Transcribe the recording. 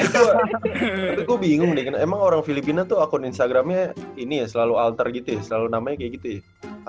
tapi gue bingung nih emang orang filipina tuh akun instagramnya ini ya selalu alter gitu ya selalu namanya kayak gitu ya